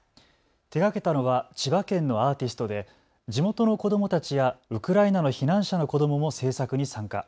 手がけたのは千葉県のアーティストで地元の子どもたちやウクライナの避難者の子どもも制作に参加。